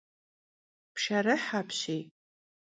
Pşşerıh apşiy!